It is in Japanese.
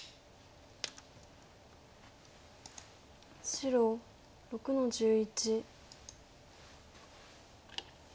白６の十一。